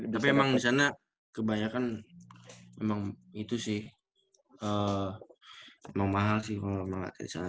tapi emang disana kebanyakan memang itu sih emang mahal sih kalau melatih disana